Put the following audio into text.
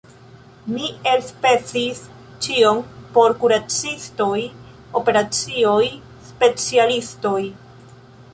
Mi elspezis ĉion por kuracistoj, operacioj, specialistoj.